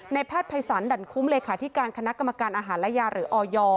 แพทย์ภัยศาลดั่นคุ้มเลขาธิการคณะกรรมการอาหารและยาหรือออย